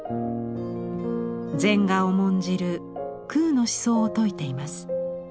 禅が重んじる空の思想を説いています。